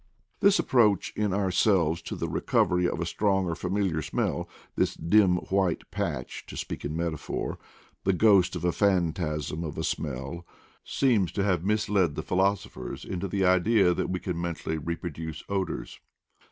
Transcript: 240 IDLE DAYS IN PATAGONIA This approach in ourselves to the recovery of a strong or familiar smell, this dim white patch, to speak in metaphor, the ghost of a phantasm of a smell, seems to have misled the philosophers into the idea that we can mentally reproduce odors.